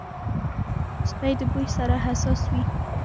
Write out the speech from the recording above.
سپي د بوی سره حساس وي.